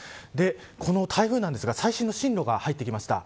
この台風ですが、最近の進路が入ってきました。